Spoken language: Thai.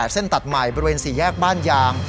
เส้นตัดใหม่บริเวณ๔แยกบ้านยาง